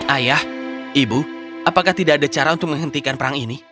ayah ibu apakah tidak ada cara untuk menghentikan perang ini